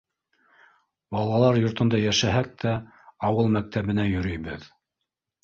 Балалар йортонда йәшәһәк тә, ауыл мәктәбенә йөрөйбөҙ.